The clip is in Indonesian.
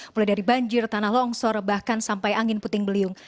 mulai dari banjir tanah longsor bahkan sampai angin puting beliung